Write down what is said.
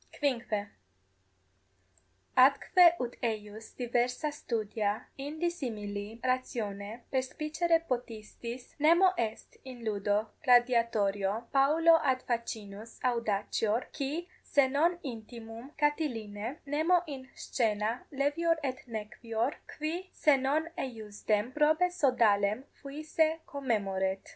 =5.= Atque ut eius diversa studia in dissimili ratione perspicere possitis, nemo est in ludo gladiatorio paulo ad facinus audacior, qui se non intimum Catilinae, nemo in scaena levior et nequior, qui se non eiusdem prope sodalem fuisse commemoret.